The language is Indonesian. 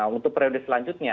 untuk periode selanjutnya